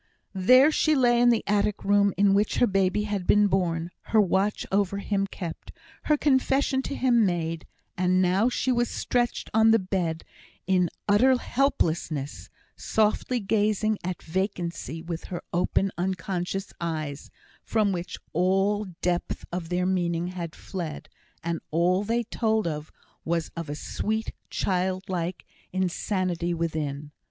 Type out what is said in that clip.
There she lay in the attic room in which her baby had been born, her watch over him kept, her confession to him made; and now she was stretched on the bed in utter helplessness, softly gazing at vacancy with her open, unconscious eyes, from which all the depth of their meaning had fled, and all they told was of a sweet, child like insanity within.